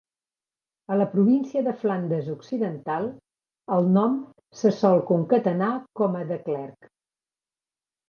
A la província de Flandes Occidental, el nom se sol concatenar com a Declerck.